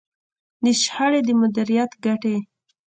د شخړې د مديريت ګټې.